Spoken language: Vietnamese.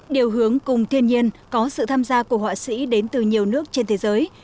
điều hướng cùng thiên nhiên có sự tham gia của họa sĩ đến từ nhiều nước trên thế giới